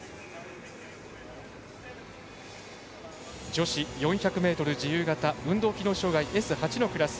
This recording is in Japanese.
女子４００ｍ自由形運動機能障がいＳ８のクラス。